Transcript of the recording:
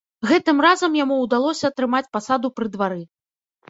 Гэтым разам яму ўдалося атрымаць пасаду пры двары.